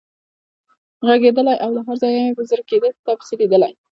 غږېدلای او له هر ځایه مې چې زړه کېده په تا پسې لیدلی.